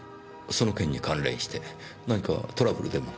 その件に関連して何かトラブルでも？